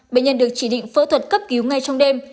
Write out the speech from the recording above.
bệnh nhân được chỉ định phẫu thuật cấp cứu ngay trong đêm